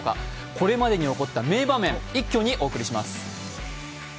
これまでに起こった名場面、一挙にお送りします。